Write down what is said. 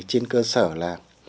trên cơ sở là